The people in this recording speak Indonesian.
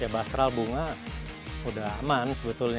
ya bastral bunga udah aman sebetulnya